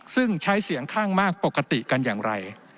ซึ่งใช้เสียงข้างมากปกติกันอย่างไร